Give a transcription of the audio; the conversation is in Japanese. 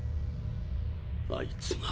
あいつが。